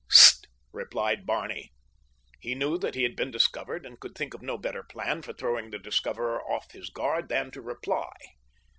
"S s t!" replied Barney. He knew that he had been discovered, and could think of no better plan for throwing the discoverer off his guard than to reply.